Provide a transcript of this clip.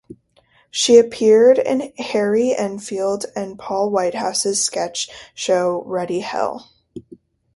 She appeared in Harry Enfield and Paul Whitehouse's sketch show Ruddy Hell!